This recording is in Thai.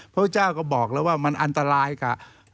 พระพุทธเจ้าก็บอกแล้วว่ามันอันตรายกับ